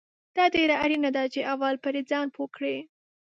دا ډیره اړینه ده چې اول پرې ځان پوه کړې